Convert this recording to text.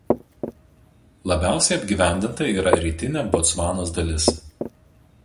Labiausiai apgyvendinta yra rytinė Botsvanos dalis.